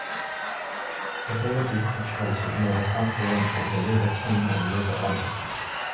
The village is situated near the confluence of the River Teme and River Onny.